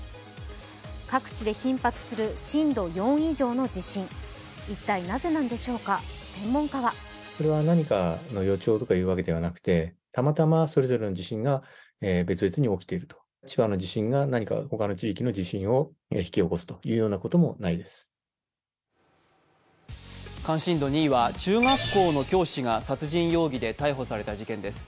各地で頻発する震度４以上の地震、一体、なぜなんでしょうか専門家は関心度２位は、中学校の教師が殺人容疑で逮捕された事件です。